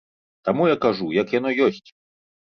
Таму я кажу, як яно ёсць!